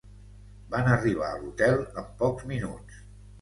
Van arribar a l'hotel en pocs minuts.